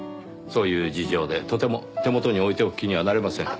そういう事情でとても手元に置いておく気にはなれません。